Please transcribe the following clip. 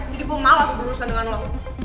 jadi gue malas berurusan dengan lo